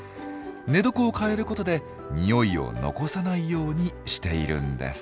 寝床を替えることで匂いを残さないようにしているんです。